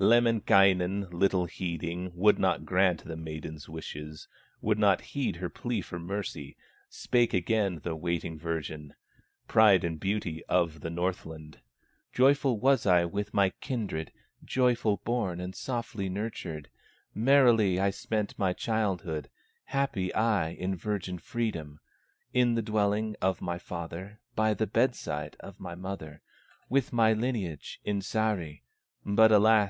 Lemminkainen, little heeding, Would not grant the maiden's wishes, Would not heed her plea for mercy. Spake again the waiting virgin, Pride and beauty of the Northland: "Joyful was I with my kindred, Joyful born and softly nurtured; Merrily I spent my childhood, Happy I, in virgin freedom, In the dwelling of my father, By the bedside of my mother, With my lineage in Sahri; But alas!